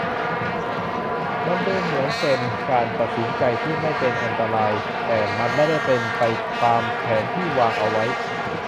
มันดูเหมือนเป็นการตัดสินใจที่ไม่เป็นอันตรายแต่มันไม่ได้เป็นไปตามแผนที่วางเอาไว้